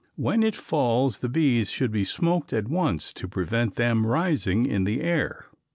When it falls the bees should be smoked at once to prevent them rising in the air.